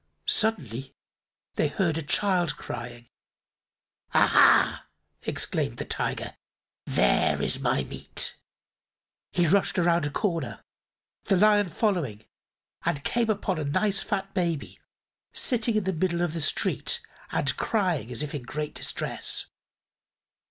Suddenly they heard a child crying. "Aha!" exclaimed the Tiger. "There is my meat." He rushed around a corner, the Lion following, and came upon a nice fat baby sitting in the middle of the street and crying as if in great distress.